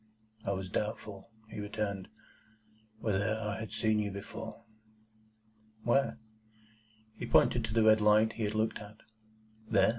"I was doubtful," he returned, "whether I had seen you before." "Where?" He pointed to the red light he had looked at. "There?"